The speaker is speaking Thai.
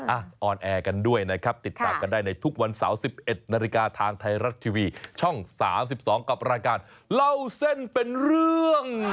ออนแอร์กันด้วยนะครับติดตามกันได้ในทุกวันเสาร์๑๑นาฬิกาทางไทยรัฐทีวีช่อง๓๒กับรายการเล่าเส้นเป็นเรื่อง